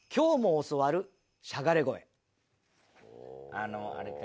あのあれか。